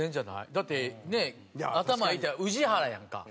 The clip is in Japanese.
だって頭いい言うたら宇治原やんか。